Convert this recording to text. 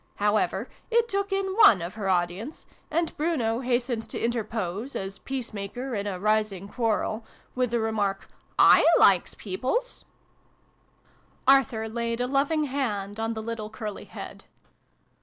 However, it took in one of her audience, and Bruno hastened to interpose, as peacemaker in a rising quarrel, with the remark "/ likes Peoples !" 158 SYLVIE AND BRUNO CONCLUDED. Arthur laid a loving hand on the little curly head.